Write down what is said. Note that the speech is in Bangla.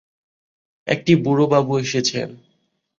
একটি বুড়ো বাবু এসেছেন।